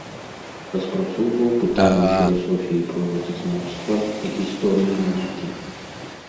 Распрацоўваў пытанні філасофіі прыродазнаўства, гісторыі навукі.